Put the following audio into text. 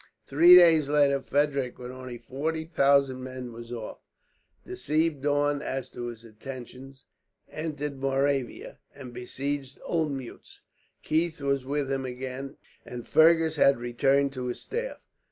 Three days later Frederick, with forty thousand men, was off; deceived Daun as to his intentions, entered Moravia, and besieged Olmuetz. Keith was with him again, and Fergus had returned to his staff.